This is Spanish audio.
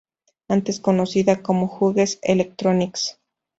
Antes conocida como Hughes Electronics.